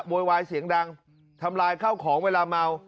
โวยวายเสียงดังทำลายข้าวของเวลาเมา